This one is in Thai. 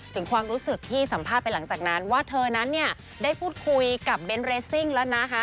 ถึงความรู้สึกที่สัมภาษณ์ไปหลังจากนั้นว่าเธอนั้นเนี่ยได้พูดคุยกับเบนท์เรซิ่งแล้วนะคะ